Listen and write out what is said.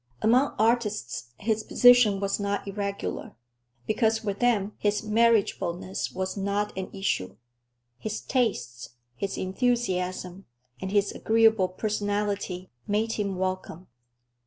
Among artists his position was not irregular, because with them his marriageableness was not an issue. His tastes, his enthusiasm, and his agreeable personality made him welcome.